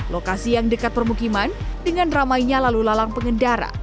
lokasi yang dekat permukiman dengan ramainya lalu lalang pengendara